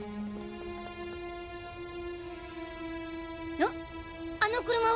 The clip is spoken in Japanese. あっあの車は？